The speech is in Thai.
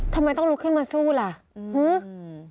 ทำไมต้องลุกขึ้นมาสู้ล่ะหึ